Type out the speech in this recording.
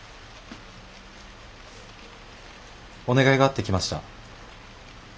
お願いがあって来ました。